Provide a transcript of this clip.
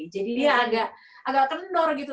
jadi dia agak agak kendor gitu